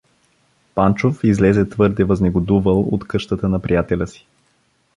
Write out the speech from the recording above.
Панчов излезе твърде възнегодувал от къщата на приятеля си.